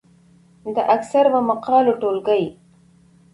د اکثرو مقالو ټولګې،